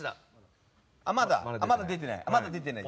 まだ出てない？